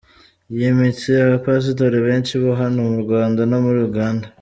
Yimitse abapasitori benshi ba hano mu Rwanda no muri Uganda.